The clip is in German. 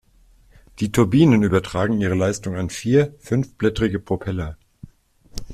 Die Turbinen übertragen ihre Leistung an vier fünfblättrige Propeller.